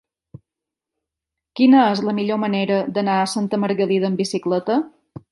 Quina és la millor manera d'anar a Santa Margalida amb bicicleta?